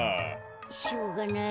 しょうがない。